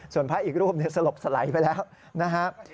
ส่วนพระอีกรูปสลบสลายไปแล้วนะครับ